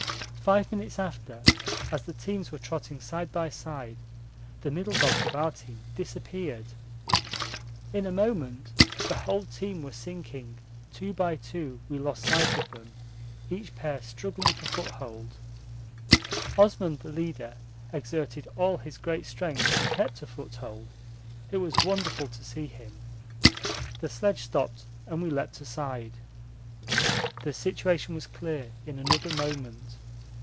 Five minutes after, as the teams were trotting side by side, the middle dogs of our team disappeared. In a moment the whole team were sinking two by two we lost sight of them, each pair struggling for foothold. Osman the leader exerted all his great strength and kept a foothold it was wonderful to see him. The sledge stopped and we leapt aside. The situation was clear in another moment.